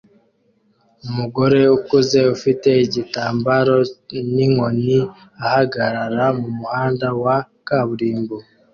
Umugore ukuze ufite igitambaro n'inkoni ahagarara mumuhanda wa kaburimbo